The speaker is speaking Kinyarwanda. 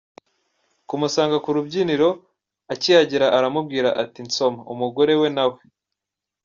kumusanga ku rubyiniro, akihagera aramubwira ati “nsoma”, umugore we nawe